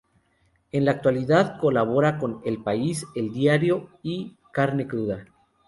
En la actualidad colabora con "El País", "El Diario" y "Carne Cruda".